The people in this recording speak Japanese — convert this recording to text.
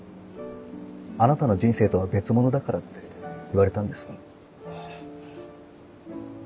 あなたの人生とは別物だから」って言われたんです。